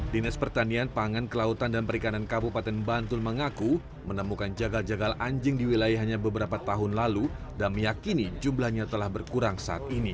dinas pertanian pangan kelautan dan perikanan kabupaten bantul mengaku menemukan jagal jagal anjing di wilayahnya beberapa tahun lalu dan meyakini jumlahnya telah berkurang saat ini